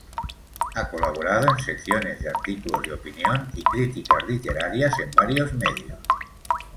Ha colaborado en secciones de artículos de opinión y críticas literarias en varios medios.